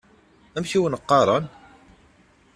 Amek i wen-qqaṛen?